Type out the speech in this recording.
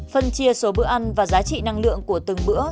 phân chia số bữa ăn và giá trị năng lượng của từng bữa